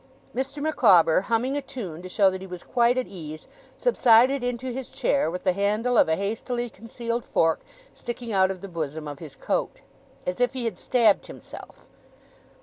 Mr. Micawber, humming a tune, to show that he was quite at ease, subsided into his chair, with the handle of a hastily concealed fork sticking out of the bosom of his coat, as if he had stabbed himself.